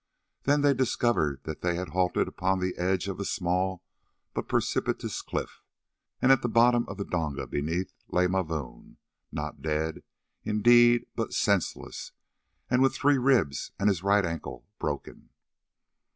Then they discovered that they had halted upon the edge of a small but precipitous cliff, and at the bottom of the donga beneath lay Mavoom—not dead, indeed, but senseless, and with three ribs and his right ankle broken.